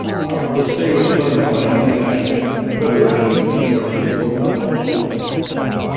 The stay was funded by an International Federation of University Women fellowship.